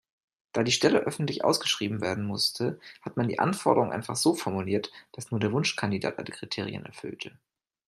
Da die Stelle öffentlich ausgeschrieben werden musste, hat man die Anforderungen einfach so formuliert, dass nur der Wunschkandidat alle Kriterien erfüllte.